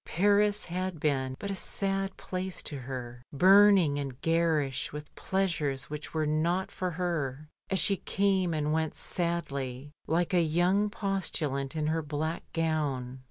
Paris had been but a sad place to her, burning and garish with pleasures which were not for her, as she came and went sadly like a young postulant in her black gown.